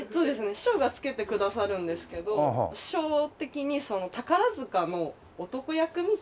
師匠が付けてくださるんですけど師匠的に宝塚の男役みたいな噺家になってほしい。